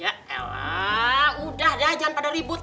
ya elah udah dah jangan pada ribut